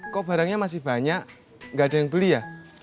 kok barangnya masih banyak nggak ada yang beli ya